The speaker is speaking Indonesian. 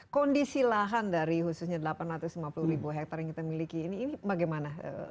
kondisi lahan dari khususnya delapan ratus lima puluh ribu hektare yang kita miliki ini bagaimana